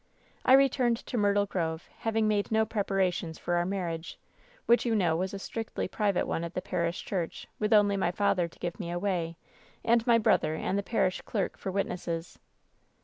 "I returned to Myrtle Grove, having made no prepara tions for our marriage, which you know was a strictly private one at the parish church, with only my father to i^ ''' give me away, and my brother and the parish clerk for witnesses.